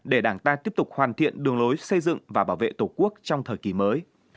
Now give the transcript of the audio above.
để đảng ta tiếp tục hoàn thiện đường lối xây dựng và bảo vệ tổ quốc trong thời kỳ mới